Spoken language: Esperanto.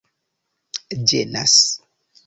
ĝenas